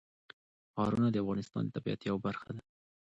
ښارونه د افغانستان د طبیعت یوه برخه ده.